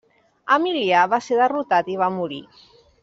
Emilià va ser derrotat i va morir.